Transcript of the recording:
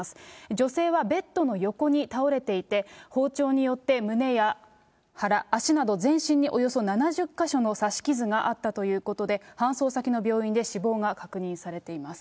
女性はベッドの横に倒れていて、包丁によって胸や腹、足など全身におよそ７０か所の刺し傷があったということで、搬送先の病院で死亡が確認されています。